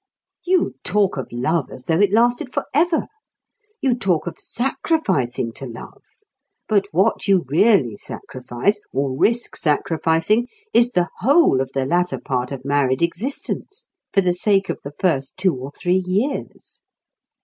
You talk of love as though it lasted for ever. You talk of sacrificing to love; but what you really sacrifice, or risk sacrificing, is the whole of the latter part of married existence for the sake of the first two or three years.